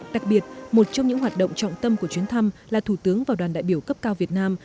đặc biệt một trong những hoạt động trọng tâm của chuyến thăm là thủ tướng và đoàn đại biểu cấp cao việt nam